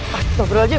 masih tak berlajin